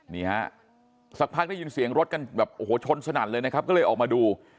นี่ฮะสักพักได้ยินเสียงรถกันแบบโอ้โหชนสนั่นเลยนะครับก็เลยออกมาดู